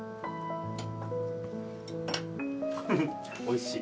おいしい。